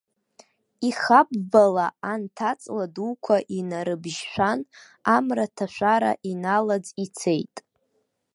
Ихаббала, анҭ аҵла дуқәа инарыбжьшәан, амра-ҭашәара иналаӡ ицеит.